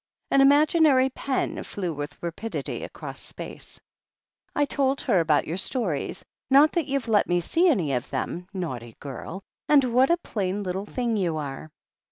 An imaginary pen flew with rapidity across space. "I told her about your stories — not that you've let me see any of them, naughty girl — and what a plain little thing you are."